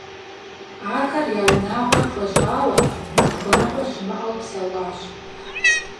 Ахэр я унагъуэр хуэщӀауэ, зыхуэныкъуэ щымыӀэу псэуащ.